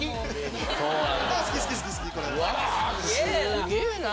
すげえな。